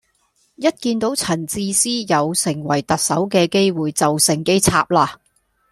一見到陳智思有成為特首嘅機會就乘機插啦